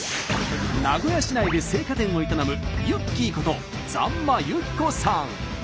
名古屋市内で青果店を営むユッキーこと座馬幸子さん。